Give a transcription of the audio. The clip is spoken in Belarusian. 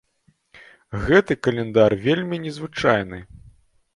Гэты каляндар вельмі незвычайны.